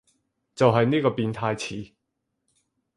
就係呢個變態詞